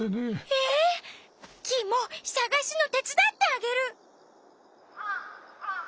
ええ！？キイもさがすのてつだってあげる！